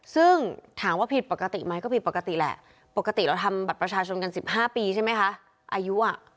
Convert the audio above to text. ซึ่งถามว่าผิดปกติไหมก็ผิดปกติแหละปกติเราทำบัตรประชาชนกัน๑๕ปีใช่ไหมคะอายุอ่ะ